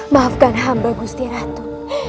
maafkan hamba gusti ratu